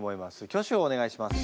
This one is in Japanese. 挙手をお願いします。